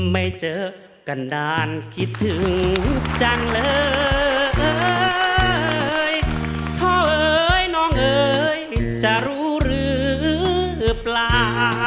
ไม่เจอกันนานคิดถึงจังเลยเอ่ยพ่อเอ๋ยน้องเอ๋ยจะรู้หรือเปล่า